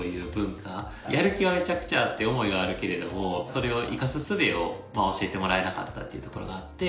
やる気はめちゃくちゃあって思いはあるけれどもそれを生かすすべを教えてもらえなかったっていうところがあって。